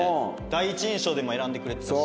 第一印象でも選んでくれてたし。